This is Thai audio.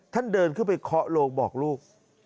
ท่านเดินไปขอโลกบอกลูก